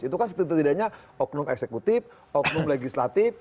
itu kan setidaknya oknum eksekutif oknum legislatif